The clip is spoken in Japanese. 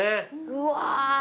うわ。